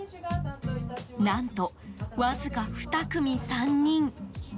何と、わずか２組３人。